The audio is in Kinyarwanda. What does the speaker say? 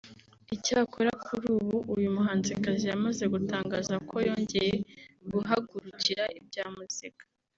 icyakora kuri ubu uyu muhanzikazi yamaze gutangaza ko yongeye guhagurukira ibya muzika